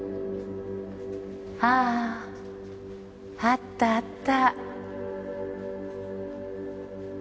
あぁあったあった。